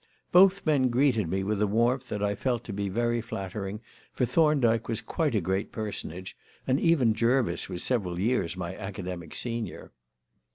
Both men greeted me with a warmth that I felt to be very flattering, for Thorndyke was quite a great personage, and even Jervis was several years my academic senior.